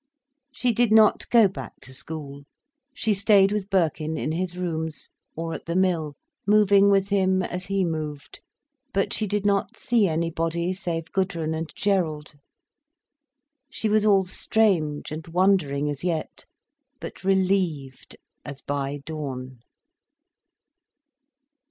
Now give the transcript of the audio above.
She did not go back to school. She stayed with Birkin in his rooms, or at the Mill, moving with him as he moved. But she did not see anybody, save Gudrun and Gerald. She was all strange and wondering as yet, but relieved as by dawn.